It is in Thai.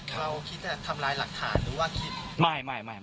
เราคิดจะทำลายหลักฐานหรือว่าคิดใหม่